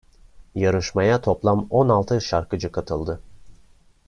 Yarışmaya toplam on altı şarkıcı katıldı.